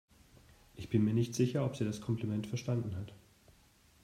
Ich bin mir nicht sicher, ob sie das Kompliment verstanden hat.